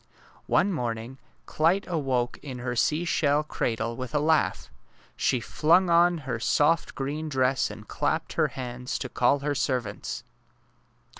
One morning Clyte awoke in her seashell cradle with a laugh. She flung on her soft green dress and clapped her hands to call her servants.